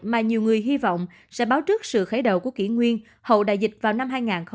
mà nhiều người hy vọng sẽ báo trước sự khởi đầu của kỷ nguyên hậu đại dịch vào năm hai nghìn hai mươi